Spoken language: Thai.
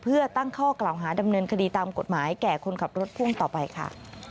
เพื่อตั้งข้อกล่าวหาดำเนินคดีตามกฎหมายแก่คนขับรถพ่วงต่อไปค่ะ